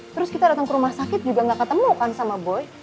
terus kita datang ke rumah sakit juga gak ketemu kan sama boy